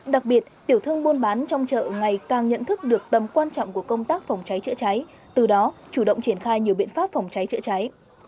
đặc biệt tiểu thương buôn bán trong chợ ngày càng nhận thức được tầm quan trọng của công tác phòng cháy chữa cháy từ đó chủ động triển khai nhiều biện pháp phòng cháy chữa cháy